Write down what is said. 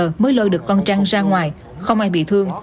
trước đó con trăng đã được con trăng ra ngoài không ai bị thương